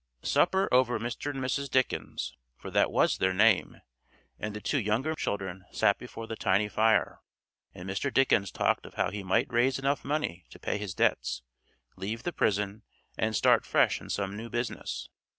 Supper over Mr. and Mrs. Dickens (for that was their name) and the two younger children sat before the tiny fire, and Mr. Dickens talked of how he might raise enough money to pay his debts, leave the prison, and start fresh in some new business.